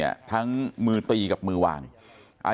คุณยายบอกว่ารู้สึกเหมือนใครมายืนอยู่ข้างหลัง